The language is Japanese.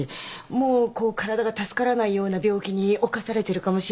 もうこう体が助からないような病気に侵されてるかもしれないし。